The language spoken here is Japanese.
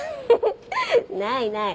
ないない。